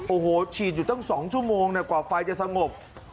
โอ้โหฉีดอยู่ตั้ง๒ชั่วโมงกว่าไฟจะสงบ